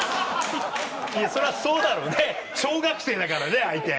いやそりゃそうだろうね小学生だからね相手。